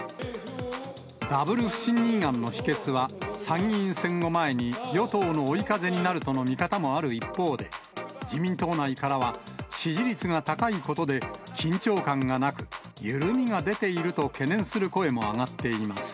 ダブル不信任案の否決は、参議院選を前に与党の追い風になるとの見方もある一方で、自民党内からは、支持率が高いことで、緊張感がなく、緩みが出ていると懸念する声も上がっています。